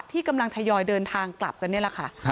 ที่กำลังทยอยเดินทางกลับกันนี่แหละค่ะ